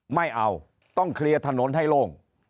ไม่เอาต้องเคลียร์ถนนให้โล่ง